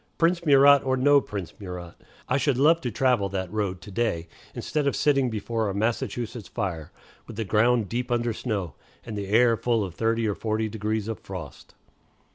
Prince Murat, or no Prince Murat, I should love to travel that road to day, instead of sitting before a Massachusetts fire, with the ground deep under snow, and the air full of thirty or forty degrees of frost.